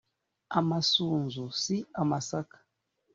Amasunzu si amasaka